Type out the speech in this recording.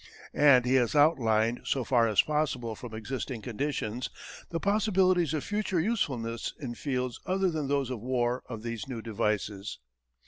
And he has outlined so far as possible from existing conditions the possibilities of future usefulness in fields other than those of war of these new devices.